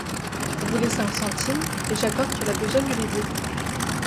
Vous voulez cinq centimes, et j'accorde que la besogne les vaut.